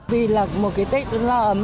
vì là một cái tết nó ấm